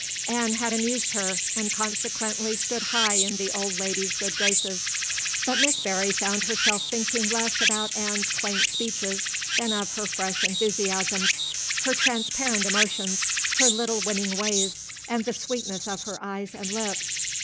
Anne had amused her, and consequently stood high in the old lady's good graces. But Miss Barry found herself thinking less about Anne's quaint speeches than of her fresh enthusiasms, her transparent emotions, her little winning ways, and the sweetness of her eyes and lips.